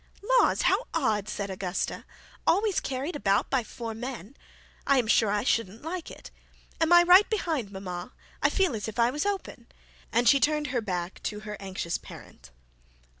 'Laws, how odd!' said Augusta. 'Always carried about by four men! I'm quite sure I wouldn't like it. Am I right behind, mama? I feel as if I was open;' and she turned her back to her anxious parent.